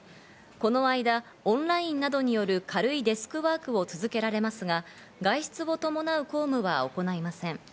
この間、オンラインなどによる軽いデスクワークを続けられますが、外出を伴う公務は行いません。